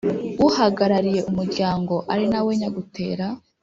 uhagarariye umuryango ari na we nyagutera